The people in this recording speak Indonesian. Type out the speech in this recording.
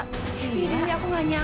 dewi dewi aku gak nyangka